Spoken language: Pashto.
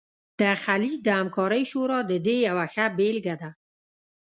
د خلیج د همکارۍ شورا د دې یوه ښه بیلګه ده